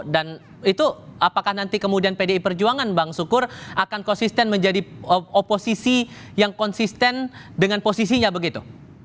dan itu apakah nanti kemudian pdi perjuangan bang sukur akan konsisten menjadi oposisi yang konsisten dengan posisinya begitu